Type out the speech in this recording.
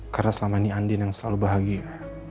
karena selama ini andin yang selalu bahagia